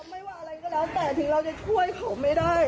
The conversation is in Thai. ไม่ว่าอะไรก็แล้วแต่ถึงเราจะช่วยเขาไม่ได้